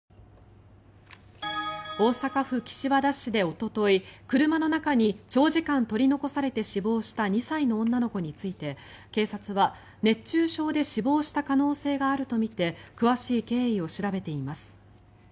大阪府岸和田市でおととい車の中に長時間取り残されて死亡した２歳の女の子について警察は熱中症で死亡した可能性があるとみて詳しい経緯を調べています。